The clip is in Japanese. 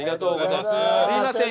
すいません